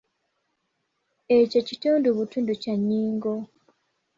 Ekyo kitundu butundu kya nnyingo.